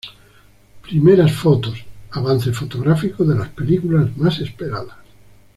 Primeras Fotos: avances fotográficos de las películas más esperadas.